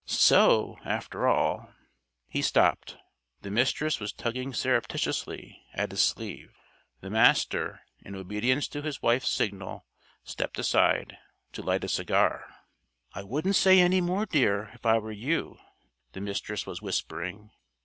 So, after all " He stopped. The Mistress was tugging surreptitiously at his sleeve. The Master, in obedience to his wife's signal, stepped aside, to light a cigar. "I wouldn't say any more, dear, if I were you," the Mistress was whispering.